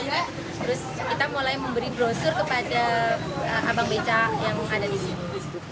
terus kita mulai memberi brosur kepada abang becak yang ada di sini